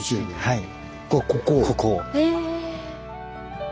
はい。